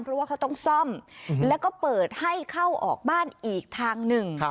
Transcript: เพราะว่าเขาต้องซ่อมแล้วก็เปิดให้เข้าออกบ้านอีกทางหนึ่ง